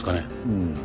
うん。